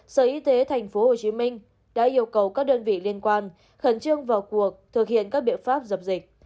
sở y tế tp hcm đã yêu cầu các đơn vị liên quan khẩn trương vào cuộc thực hiện các biện pháp dập dịch